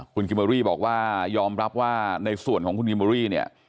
คุณกิมเมอรี่บอกว่ายอมรับว่าในส่วนของคุณคิมเบอรี่เนี่ย